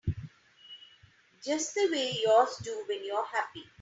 Just the way yours do when you're happy.